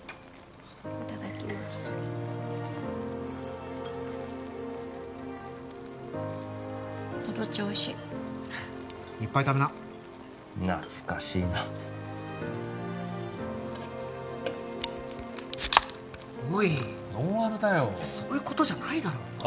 いただきますとどっちおいしいいっぱい食べな懐かしいなおいノンアルだよいやそういうことじゃないだろあっ